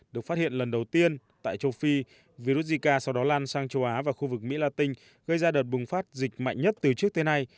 được phát hiện lần đầu tiên tại châu phi virus zika sau đó lan sang châu á và khu vực mỹ la tinh gây ra đợt bùng phát dịch mạnh nhất từ trước tới nay